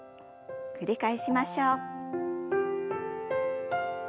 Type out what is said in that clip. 繰り返しましょう。